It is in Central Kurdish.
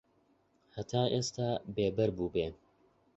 هەتا ئێستا بێبەر بووبێ